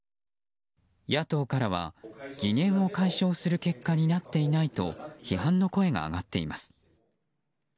野党からは疑念を解消する結果になっていないと批判の声が上がっています。